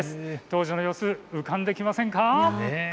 当時の様子、浮かんできませんか。